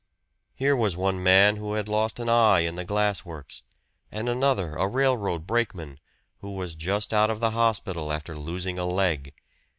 Here was one man who had lost an eye in the glass works, and another, a railroad brakeman, who was just out of the hospital after losing a leg.